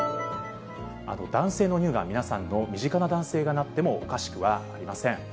男性の乳がん、皆さんの身近な男性がなっても、おかしくはありません。